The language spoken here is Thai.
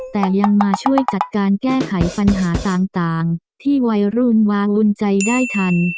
แต่ยังมาช่วยจัดการแก้ไขปัญหาต่างที่วัยรุ่นวางอุ่นใจได้ทัน